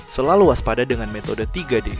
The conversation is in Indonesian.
selalu waspada dengan metode tiga d